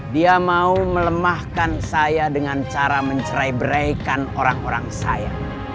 dia mau melemahkan saya dengan cara mencerai beraikan orang orang saya